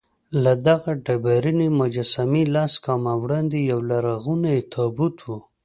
له دغه ډبرینې مجسمې لس ګامه وړاندې یولرغونی تابوت و.